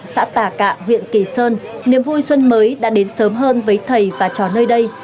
xã tà cạ huyện kỳ sơn niềm vui xuân mới đã đến sớm hơn với thầy và trò nơi đây